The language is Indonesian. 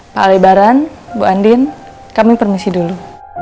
pak lebaran bu andin kami permisi dulu